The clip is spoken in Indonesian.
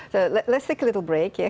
jadi mari kita berehat sedikit